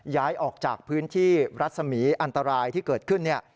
ย้ายออกจากพื้นที่รัศมีร์อันตรายที่เกิดขึ้นเนี่ย